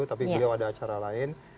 tapi beliau ada acara lain